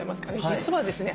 実はですね